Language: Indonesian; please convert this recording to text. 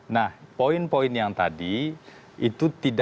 nah poin poin yang tadi itu tidak